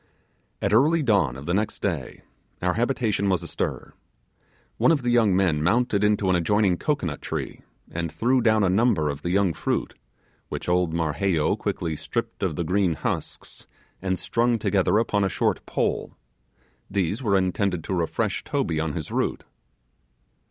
At early dawn of the next day, our habitation was astir. One of the young men mounted into an adjoining cocoanut tree, and threw down a number of the young fruit, which old Marheyo quickly stripped of the green husks, and strung together upon a short pole. These were intended to refresh Toby on his route.